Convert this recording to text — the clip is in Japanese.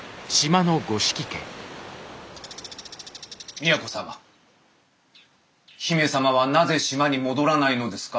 都様姫様はなぜ島に戻らないのですか？